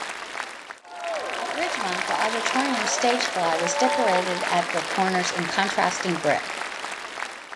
At Ridgemont the auditorium stage fly was decorated at the corners in contrasting brick.